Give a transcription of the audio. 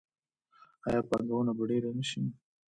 آیا پانګونه به ډیره نشي؟